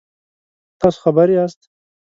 تاسو خبر یاست؟